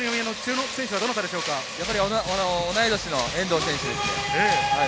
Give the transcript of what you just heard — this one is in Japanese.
同い年の遠藤選手ですね。